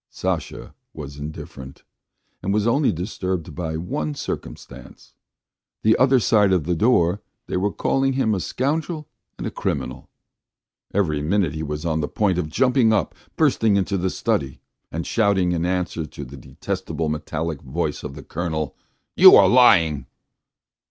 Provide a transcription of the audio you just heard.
Sasha was indifferent, and was only disturbed by one circumstance; the other side of the door they were calling him a scoundrel and a criminal. Every minute he was on the point of jumping up, bursting into the study and shouting in answer to the detestable metallic voice of the Colonel: "You are lying!"